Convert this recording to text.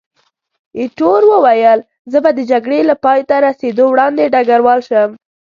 ایټور وویل، زه به د جګړې له پایته رسېدو وړاندې ډګروال شم.